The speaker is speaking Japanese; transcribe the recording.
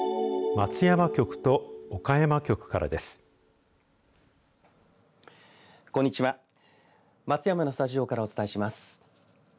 松山のスタジオからお伝えします。